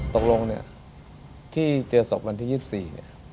ตกลงที่เจอศพวันที่๒๔นี่